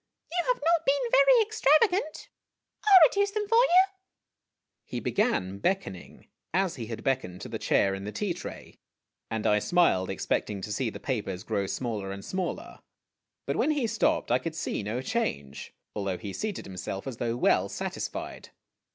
" You have not been very extravagant. I '11 reduce them for you !" THE SATCHEL 185 He began beckoning, as he had beckoned to the chair and the tea tray, and I smiled, expecting to see the papers grow smaller and smaller. But when he stopped I could see no change, although he seated himself as though well satisfied.